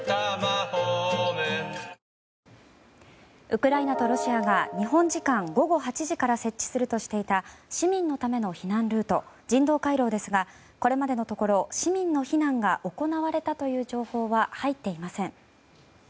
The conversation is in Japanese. ウクライナとロシアが日本時間午後８時から設置するとしていた市民のための避難ルート人道回廊ですがこれまでのところ市民の避難が行われたという情報は入っていません。